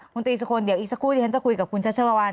คุณตรีสุคลเดี๋ยวอีกสักครู่ที่ฉันจะคุยกับคุณชัชวัล